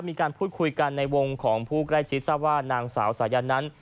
มีการพูดคุยกันในวงของผู้ใกล้ชิดทราบว่านางสาวสายันนั้น